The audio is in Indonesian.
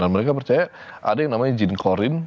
dan mereka percaya ada yang namanya jin korin